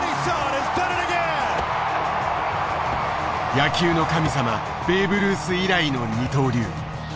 野球の神様ベーブ・ルース以来の二刀流。